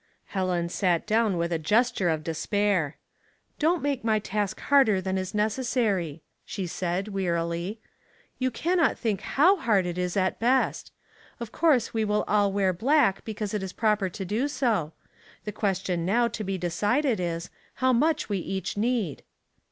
Helen sat down with a gesture of despair. "Don't make my task harder than is neces sary," she said, wearily. *' You cannot think how hard it is at best. Of course we will all wear 94 Household Puzzles. black because it is proper to do so. The ques tion now to be decided is, how much we each need."